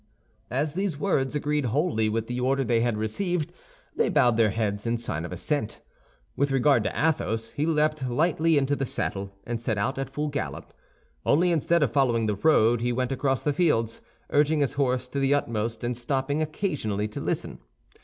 As these words agreed wholly with the order they had received, they bowed their heads in sign of assent. With regard to Athos, he leaped lightly into the saddle and set out at full gallop; only instead of following the road, he went across the fields, urging his horse to the utmost and stopping occasionally to listen.